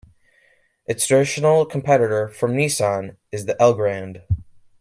Its traditional competitor from Nissan is the Elgrand.